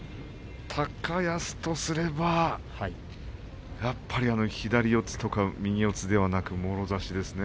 高安とすればやっぱり左四つとか右四つではなくもろ差しですね。